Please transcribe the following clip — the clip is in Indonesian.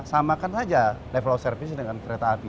samakan saja level of service dengan kereta api